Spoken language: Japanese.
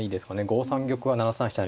５三玉は７三飛車